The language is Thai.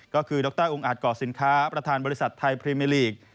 ก็คือดรองอาจก่อสินค้าประธานบริษัทไทยพรีเมลีก